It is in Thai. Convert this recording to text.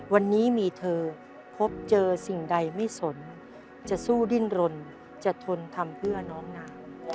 วันนี้มีเธอพบเจอสิ่งใดไม่สนจะสู้ดิ้นรนจะทนทำเพื่อน้องนา